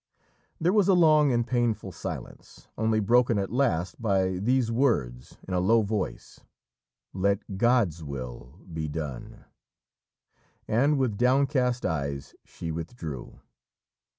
There was a long and painful silence, only broken at last by these words in a low voice: "Let God's will be done!" And with downcast eyes she withdrew.